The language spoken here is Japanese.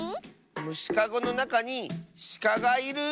むしかごのなかにしかがいる。